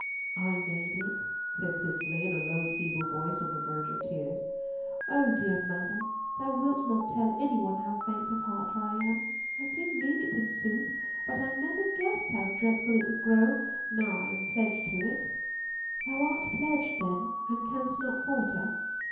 "I made it," said Cicely in a low, feeble voice on the verge of tears. "Oh, dear mother, thou wilt not tell any one how faint of heart I am? I did mean it in sooth, but I never guessed how dreadful it would grow now I am pledged to it." "Thou art pledged, then, and canst not falter?"